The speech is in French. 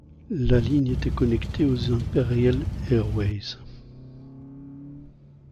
La ligne était connectée aux Imperial Airways.